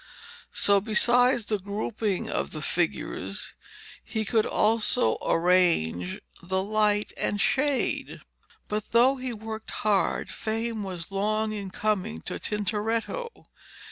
So, besides the grouping of the figures, he could also arrange the light and shade. But, though he worked hard, fame was long in coming to Tintoretto.